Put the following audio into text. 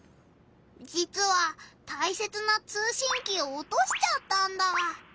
じつはたいせつな通しんきをおとしちゃったんだ。